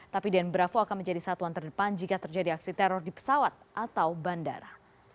tapi den bravo akan menjadi satuan terdepan jika terjadi aksi teror di pesawat atau bandara